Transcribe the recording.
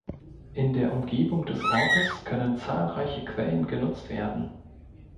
In der Umgebung des Ortes können zahlreiche Quellen genutzt werden.